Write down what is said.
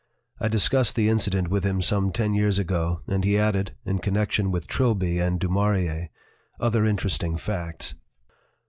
I discussed the incident with him some ten years ago and he added, in connection with Trilby and Du Maurier, other interesting facts.